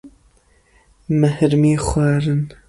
Me hirmî xwarin.